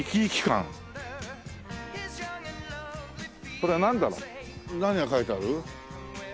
これはなんだろう？何が書いてある？